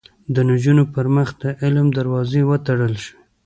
د نجونو پر مخ د علم دروازې وتړل شوې